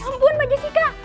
tungguin mbak jessica